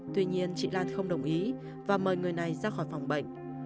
tuy nhiên chị lan không đồng ý và mời người này ra khỏi phòng bệnh